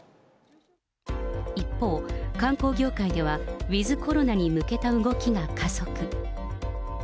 一方、観光業界では、ウィズコロナに向けた動きが加速。